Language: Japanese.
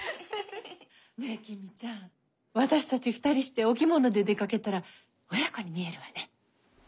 ねえ公ちゃん私たち２人してお着物で出かけたら親子に見えるわね。